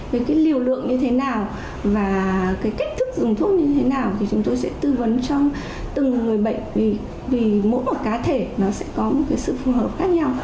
với cái liều lượng như thế nào và cái cách thức dùng thuốc như thế nào thì chúng tôi sẽ tư vấn cho từng người bệnh vì mỗi một cá thể nó sẽ có một cái sự phù hợp khác nhau